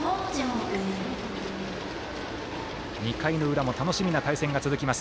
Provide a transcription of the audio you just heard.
２回の裏も楽しみな対戦が続きます。